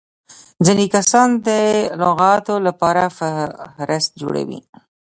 ځيني کسان د لغاتو له پاره فهرست جوړوي.